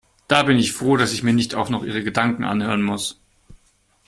Da bin ich froh, dass ich mir nicht auch noch ihre Gedanken anhören muss.